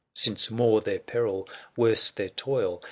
Since more their peril, worse their toil.